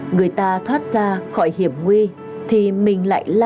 người ta thoát ra khỏi hiểm nguy thì mình lại lao vào